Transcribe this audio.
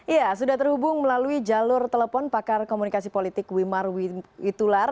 ya sudah terhubung melalui jalur telepon pakar komunikasi politik wimar witular